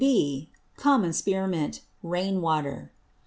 (B.) Common Spear Mint, Rain Water.